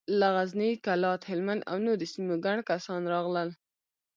له غزني، کلات، هلمند او نورو سيمو ګڼ کسان راغلل.